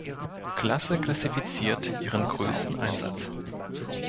Klasse klassifiziert, ihren größten Einsatz.